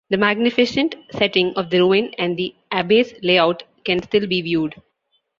The magnificent setting of the ruin and the Abbey's layout can still be viewed.